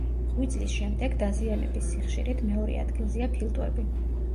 ღვიძლის შემდეგ, დაზიანების სიხშირით, მეორე ადგილზეა ფილტვები.